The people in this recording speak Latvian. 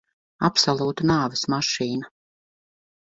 Absolūta nāves mašīna.